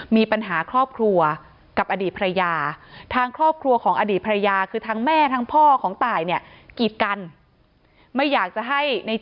มีปัญหาครอบครัวกับอดีตภรรยา